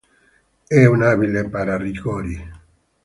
È un abile para-rigori.